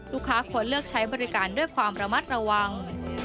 ลูกค้าควรเลือกใช้บริการด้วยความระมัดระวัง